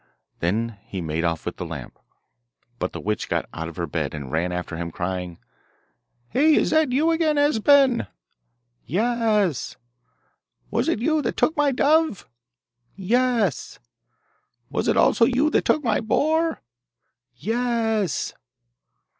Then he made off with the lamp. But the witch got out of her bed and ran after him, crying: 'Hey! is that you again, Esben?' 'Ye e s!' 'Was it you that took my dove?' 'Ye e s!' 'Was it also you that took my boar?' 'Ye e s!